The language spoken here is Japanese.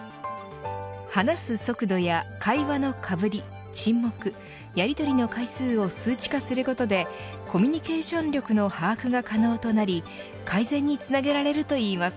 話す速度や会話のかぶり、沈黙やりとりの回数を数値化することでコミュニケーション力の把握が可能となり改善につなげられるといいます。